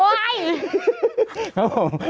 ขอบคุณคุณค่ะ